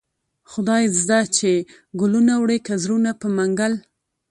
خداى زده چې گلونه وړې كه زړونه په منگل